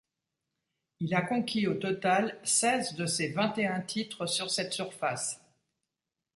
Il a conquis au total seize de ses vingt-et-un titres sur cette surface.